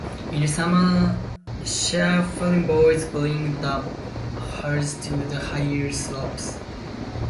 In the summer shepherd boys bring the herds to the higher slopes.